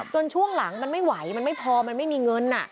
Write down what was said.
ช่วงหลังมันไม่ไหวมันไม่พอมันไม่มีเงิน